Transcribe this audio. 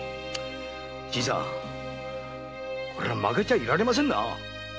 新さんこりゃ負けてはいられませんな！